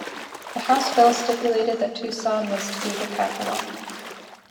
The house bill stipulated that Tucson was to be the capital.